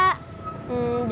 kan om ubennya gak ada